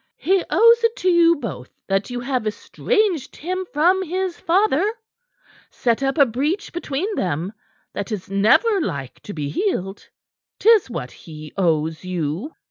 "He owes it to you both that you have estranged him from his father, set up a breach between them that is never like to be healed. 'Tis what he owes you."